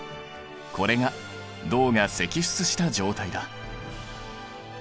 これが銅が析出した状態だ。